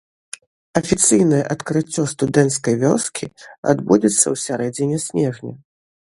Афіцыйнае адкрыццё студэнцкай вёскі адбудзецца ў сярэдзіне снежня.